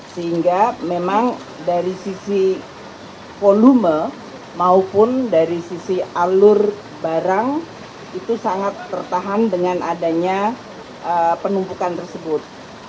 sehingga memang dari sisi volume maupun dari sisi alur barang itu sangat tertahan dengan adanya penumpukan tersebut